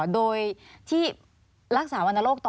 โดยที่รักษาวรรณโรคต่อ